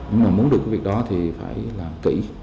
nhưng mà muốn được cái việc đó thì phải làm kỹ